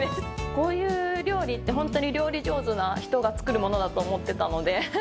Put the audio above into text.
こういう料理ってホントに料理上手な人が作るものだと思ってたので。